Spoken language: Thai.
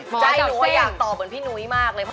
ใจหนูก็อยากตอบเหมือนพี่นุ้ยมากเลย